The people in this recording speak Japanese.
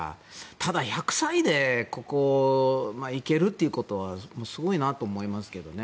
ただ、１００歳でここ、行けるっていうことはすごいなと思いますけどね。